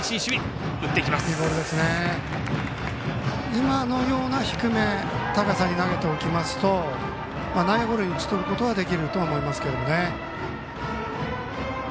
今のような低め高さに投げておきますと内野ゴロに打ち取ることはできると思います。